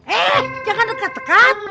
eh jangan dekat dekat